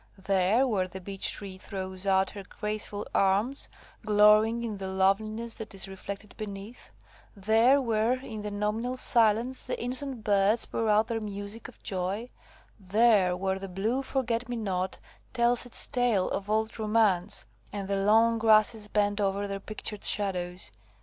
There, where the beech tree throws out her graceful arms, glorying in the loveliness that is reflected beneath. There, where in the nominal silence the innocent birds pour out their music of joy. There, where the blue forget me not tells its tale of old romance, and the long grasses bend over their pictured shadows.